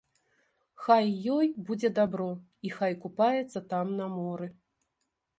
Хай ёй будзе дабро і хай купаецца там на моры.